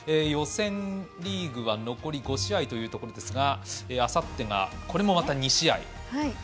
予選リーグは残り５試合というところですがあさってが、また２試合。